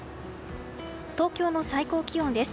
東京の最高気温です。